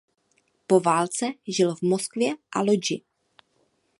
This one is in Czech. Po válce žil v Moskvě a Lodži.